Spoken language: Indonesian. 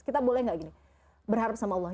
kita boleh nggak gini berharap sama allah